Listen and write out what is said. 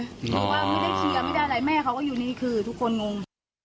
บอกว่าไม่ได้เคลียร์ไม่ได้อะไรแม่เขาก็อยู่นี่คือทุกคนงง